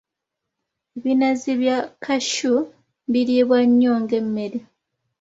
Ebinazi bya cashew biriibwa nnyo ng'emmere.